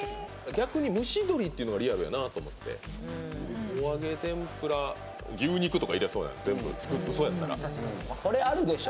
逆に蒸し鶏っていうのがリアルやなと思っておあげ天ぷら牛肉とか入れそうやん全部ウソやったらこれあるでしょ